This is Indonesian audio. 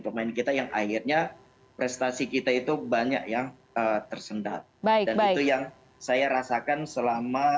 pemain kita yang akhirnya prestasi kita itu banyak yang tersendat dan itu yang saya rasakan selama